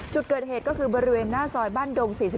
จุดเกิดเหตุก็คือบริเวณหน้าซอยบ้านดง๔๔